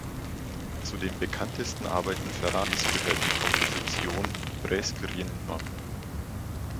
Zu den bekanntesten Arbeiten Ferraris gehört die Komposition "Presque rien No.